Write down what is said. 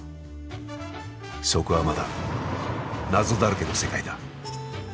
そこはまだ謎だらけの世界だ。